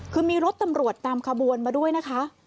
คือมีรถตำรวจตามขบวนมาด้วยนะคะ